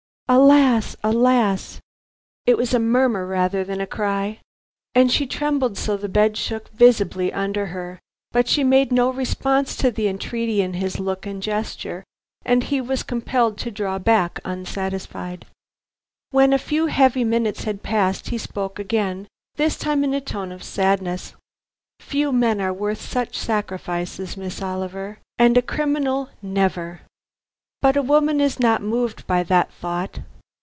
"Alas! alas!" It was a murmur rather than a cry, and she trembled so the bed shook visibly under her. But she made no response to the entreaty in his look and gesture, and he was compelled to draw back unsatisfied. When a few heavy minutes had passed, he spoke again, this time in a tone of sadness. "Few men are worth such sacrifices, Miss Oliver, and a criminal never. But a woman is not moved by that thought.